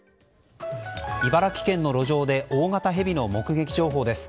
茨城県の路上で大型ヘビの目撃情報です。